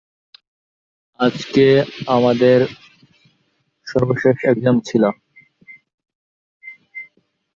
রাঙা ভাবী চলচ্চিত্রের গানের সুর ও সঙ্গীত পরিচালনা করেছেন সুবল দাস।